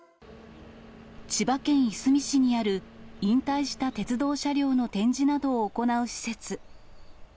千葉県いすみ市にある、引退した鉄道車両の展示などを行う施設。